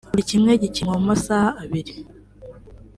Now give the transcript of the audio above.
buri kimwe gikinwa mu masaha abiri